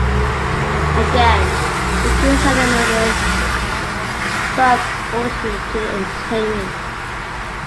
Again, the quiz element was subordinate to the entertainment.